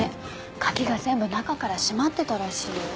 鍵が全部中から締まってたらしいよ。